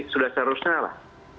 sudah seharusnya lah